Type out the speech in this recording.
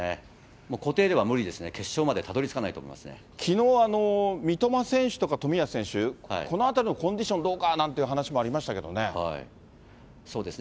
もう固定では無理ですね、決勝まきのう、三笘選手とか富安選手、このあたりのコンディションどうかなんてそうですね。